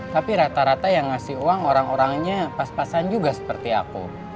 tapi rata rata yang ngasih uang orang orangnya pas pasan juga seperti aku